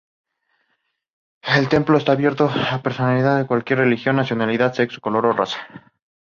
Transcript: El templo está abierto a personas de cualquier religión, nacionalidad, sexo, color o raza.